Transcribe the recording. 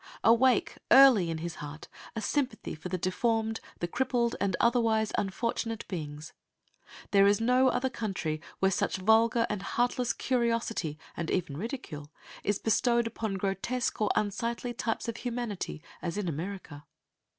Awake early in his heart a sympathy for the deformed, the crippled, and otherwise unfortunate beings. There is no other country where such vulgar and heartless curiosity, and even ridicule, is bestowed upon grotesque or unsightly types of humanity, as in America.